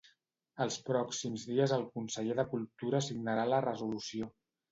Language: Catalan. Els pròxims dies el conseller de Cultura signarà la resolució.